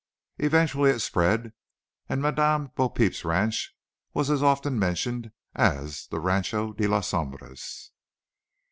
Eventually it spread, and "Madame Bo Peep's ranch" was as often mentioned as the "Rancho de las Sombras."